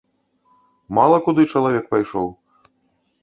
Мала куды чалавек пайшоў.